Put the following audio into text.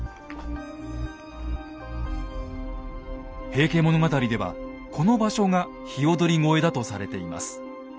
「平家物語」ではこの場所が鵯越だとされています。